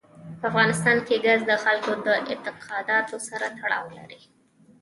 په افغانستان کې ګاز د خلکو د اعتقاداتو سره تړاو لري.